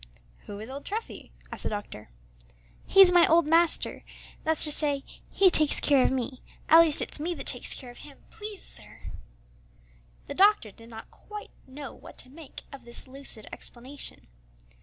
"Who is old Treffy?" asked the doctor. "He's my old master; that's to say, he takes care of me, at least it's me that takes care of him, please, sir." The doctor did not quite know what to make of this lucid explanation.